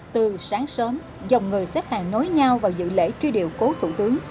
từ sáng sớm dòng người xếp hàng nối nhau vào dự lễ truy điệu cố thủ tướng